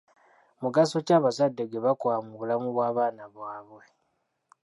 Mugaso ki abazadde gwe bakola mu bulamu bw'abaana baabwe?